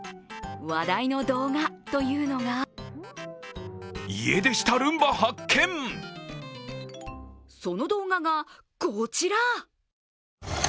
話題の動画というのがその動画が、こちら。